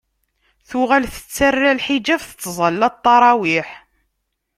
Tuɣal tettarra lḥiǧab, tettẓalla ttarawiḥ.